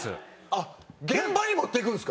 あっ現場に持っていくんですか？